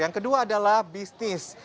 yang kedua adalah bisnis